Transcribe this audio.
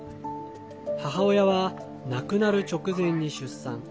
母親は亡くなる直前に出産。